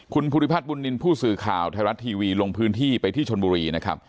คุณภูริพัฒนบุญนินทร์ผู้สื่อข่าวไทยรัฐทีวีลงพื้นที่ไปที่ชนบุรีนะครับ